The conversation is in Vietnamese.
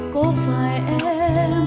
có phải em